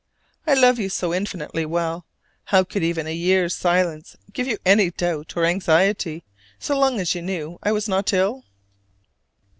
I love you so infinitely well, how could even a year's silence give you any doubt or anxiety, so long as you knew I was not ill?